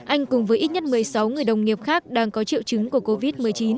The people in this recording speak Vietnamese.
anh cùng với ít nhất một mươi sáu người đồng nghiệp khác đang có triệu chứng của covid một mươi chín